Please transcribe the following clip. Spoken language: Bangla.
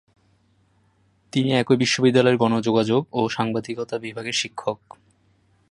তিনি একই বিশ্ববিদ্যালয়ের গণযোগাযোগ ও সাংবাদিকতা বিভাগের শিক্ষক।